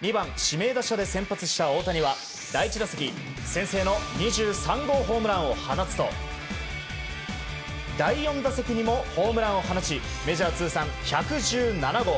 ２番指名打者で先発した大谷は第１打席、先制の２３号ホームランを放つと第４打席にもホームランを放ちメジャー通算１１７号。